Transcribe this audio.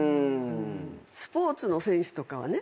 スポーツの選手とかはね